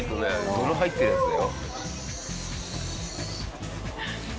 度の入ってるやつだよ。